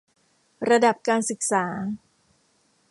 ระดับการศึกษา